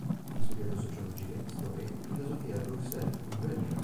Ha studiato sociologia, storia e filosofia a Bruxelles, in Belgio.